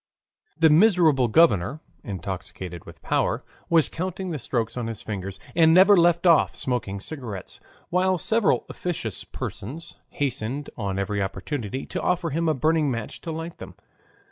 The miserable governor, intoxicated with power, was counting the strokes on his fingers, and never left off smoking cigarettes, while several officious persons hastened on every opportunity to offer him a burning match to light them.